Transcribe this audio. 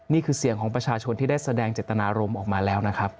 นี่คือเสียงของประชาชนที่ได้แสดงเจตนารมณ์ออกมาแล้วนะครับ